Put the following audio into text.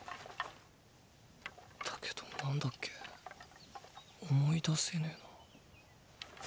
だけど何だっけ思い出せねぇな。